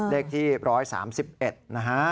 เลขที่๑๓๑นะฮะ